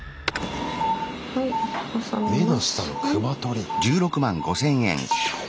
目の下のクマ取り。